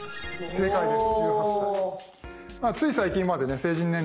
正解です。